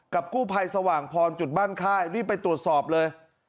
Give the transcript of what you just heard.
กู้ภัยสว่างพรจุดบ้านค่ายรีบไปตรวจสอบเลย